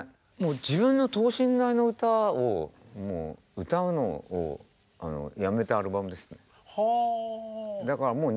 自分の等身大の歌を歌うのをやめたアルバムですね。